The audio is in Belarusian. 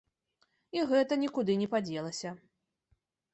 І гэта нікуды не падзелася.